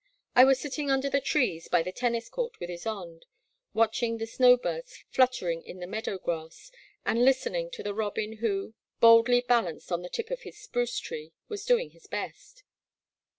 I was sitting under the trees by the Tennis Court with Ysonde, watching the snow birds flut tering in the meadow grass, and listening to the robin who, boldly balanced on the tip of his spruce tree, was doing his best.